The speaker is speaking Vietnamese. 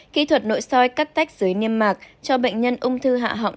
kỹ thuật nội soi cắt tách dưới niêm mạc cho bệnh nhân ung thư hạ họng